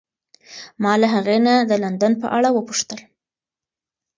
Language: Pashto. ما له هغې نه د لندن په اړه وپوښتل.